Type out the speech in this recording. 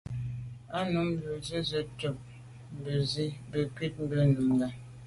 Á nǔm rə̂ jû zə̄ à' cûp bí gə́ zî cû vút gí bú Nùngà.